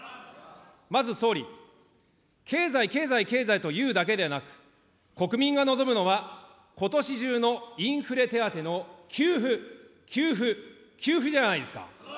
まず総理、経済、経済、経済と言うだけでなく、国民が望むのは、ことし中のインフレ手当の給付、給付、給付じゃないですか。